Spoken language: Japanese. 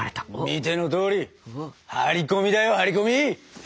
見てのとおり張り込みだよ張り込み。